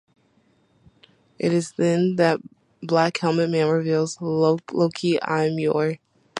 It is then that Black Helmet Man reveals: Loke, I am your...